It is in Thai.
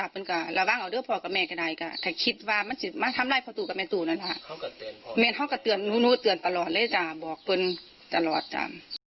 พ่อก็เตือนเตือนตลอดเลยจ้ะบอกคุณตลอดจ้ะ